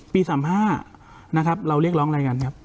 ปี๓๕เราเรียกร้องอะไรกันนะครับ